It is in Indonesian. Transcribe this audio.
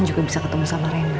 juga bisa ketemu sama rena